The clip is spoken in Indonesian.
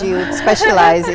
bisa mempelajari semua